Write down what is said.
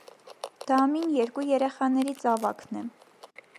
Դամին երկու երեխաններից ավագն է։